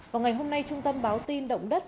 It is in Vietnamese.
vào ngày hôm nay trung tâm báo tin động đất